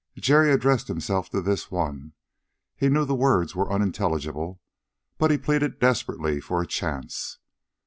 Jerry addressed himself to this one. He knew the words were unintelligible, but he pleaded desperately for a chance.